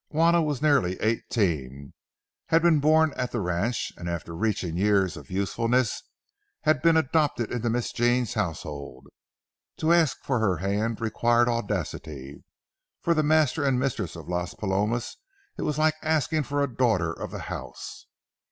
Juana was nearly eighteen, had been born at the ranch, and after reaching years of usefulness had been adopted into Miss Jean's household. To ask for her hand required audacity, for to master and mistress of Las Palomas it was like asking for a daughter of the house.